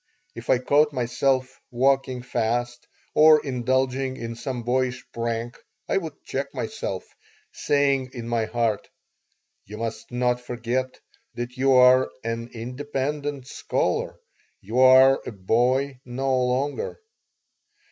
If I caught myself walking fast or indulging in some boyish prank I would check myself, saying in my heart: "You must not forget that you are an independent scholar. You are a boy no longer."